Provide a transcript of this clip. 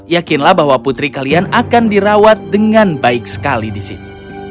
yakinlah bahwa putri kalian akan dirawat dengan baik sekali di sini